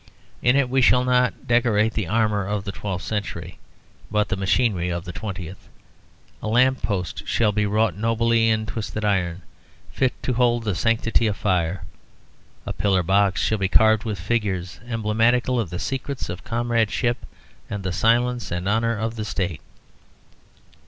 In it we shall not decorate the armour of the twelfth century, but the machinery of the twentieth. A lamp post shall be wrought nobly in twisted iron, fit to hold the sanctity of fire. A pillar box shall be carved with figures emblematical of the secrets of comradeship and the silence and honour of the State.